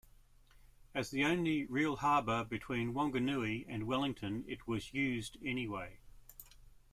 As the only real harbour between Wanganui and Wellington it was used anyway.